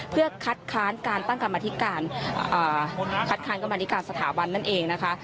เพื่อคัดค้านการตั้งกรรมนิการสถาบันนั่นเองนะคะ